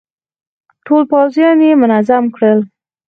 ټول پوځيان يې منظم کړل.